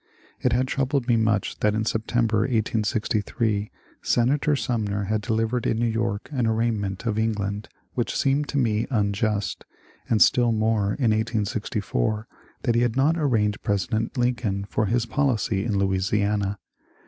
It had troubled me much that in September, 1868, Senator Sumner had delivered in New York an arraignment of Eng land which seemed to me unjust, and still more, in 1864, that he had not arraigned President Lincoln for his policy in Louisiana.